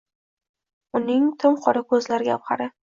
Unin timqora ko’zlari gavhari!